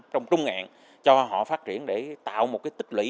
trong trung hạn cho họ phát triển để tạo một cái tích lũy